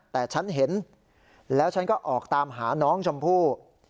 แต่ฉันเห็นแล้วฉันก็ออกตามหาน้องชมพู่